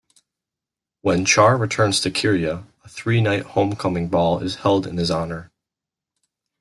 When Char returns to Kyrria, a three-night homecoming ball is held in his honor.